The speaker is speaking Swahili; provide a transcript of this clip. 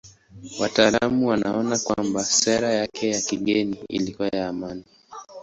Wataalamu wanaona kwamba sera yake ya kigeni ilikuwa ya amani.